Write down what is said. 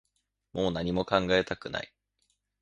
もう何も考えたくない